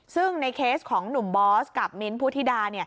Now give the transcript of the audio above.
ซึ่งในเคสของหนุ่มบอสกับมิ้นท์พุทธิดา